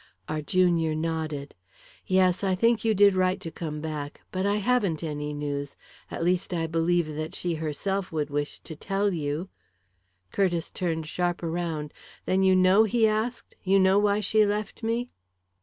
Our junior nodded. "Yes I think you did right to come back. But I haven't any news at least, I believe that she herself would wish to tell you " Curtiss started sharp around. "Then you know?" he asked. "You know why she left me?"